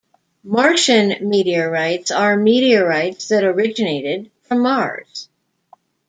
Martian meteorites are meteorites that originated from Mars.